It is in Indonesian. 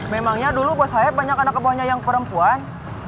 memangnya dulu buat saya banyak anak buahnya yang perempuan